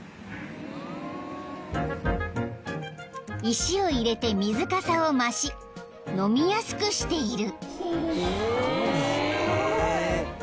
［石を入れて水かさを増し飲みやすくしている］